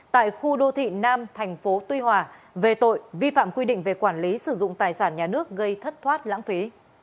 tại khu đô thị nam thành phố tuy hòa về tội vi phạm quy định về quản lý sử dụng tài sản nhà nước gây thất thoát lãng phí